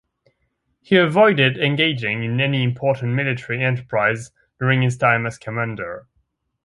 He avoided engaging in any important military enterprise during his time as commander.